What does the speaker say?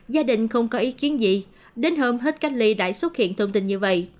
gia đình không có ý kiến gì đến hôm hết cách ly đã xuất hiện thông tin như vậy